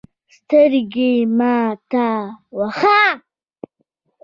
سترګې مه راته وهه.